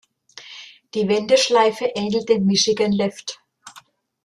Die Wendeschleife ähnelt dem Michigan Left.